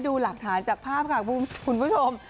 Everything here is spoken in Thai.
ดูหลักฐานจากภาพค่ะคุณผู้ชม